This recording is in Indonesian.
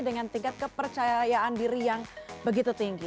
dengan tingkat kepercayaan diri yang begitu tinggi